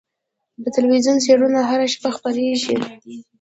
د تلویزیون خبرونه هره شپه خپرېږي.